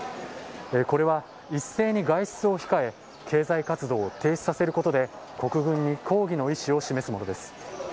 これは一斉に外出を控え、経済活動を停止させることで、国軍に抗議の意思を示すものです。